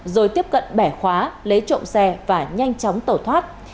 rồi tiếp cận bẻ khóa lấy trộm xe và nhanh chóng tẩu thoát